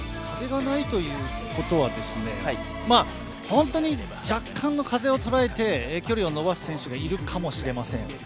風がないということは若干の風をとらえて距離を伸ばす選手がいるかもしれません。